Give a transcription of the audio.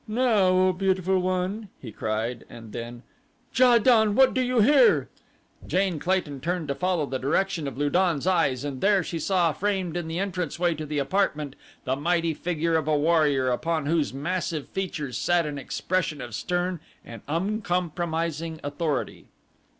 "Now, Beautiful One!" he cried, and then, "Ja don! what do you here?" Jane Clayton turned to follow the direction of Lu don's eyes and there she saw framed in the entrance way to the apartment the mighty figure of a warrior, upon whose massive features sat an expression of stern and uncompromising authority.